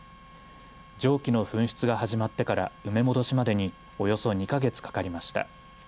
蒸気の噴出が始まってから埋め戻しまでにおよそ２か月かかりました。